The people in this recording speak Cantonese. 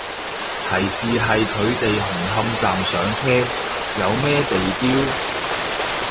提示係佢哋紅磡站上車，有咩地標